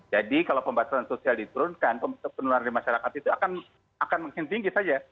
jadi kalau pembatasan sosial diturunkan penularan dari masyarakat itu akan makin tinggi saja